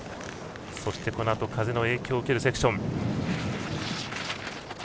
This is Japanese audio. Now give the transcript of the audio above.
このあと風の影響を受けるセクション。